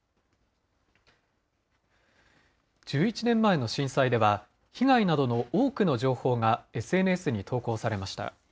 １１年前の震災では、被害などの多くの情報がＳＮＳに投稿されました。